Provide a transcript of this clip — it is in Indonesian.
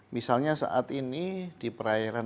misalnya saat ini di perairan